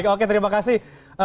oke terima kasih